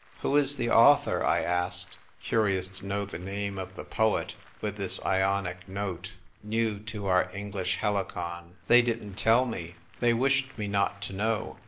" Who is the author ?" I asked, curious to know the name of the poet with this Ionic note, new to our English Helicon. " They didn't tell me. They wished me not to know.